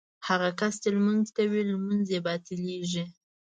هغه کس چې لمونځ کوي لمونځ یې باطلېږي.